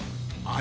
あ！